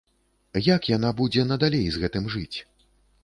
Як яна будзе надалей з гэтым жыць?